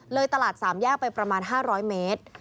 ตลาด๓แยกไปประมาณ๕๐๐เมตร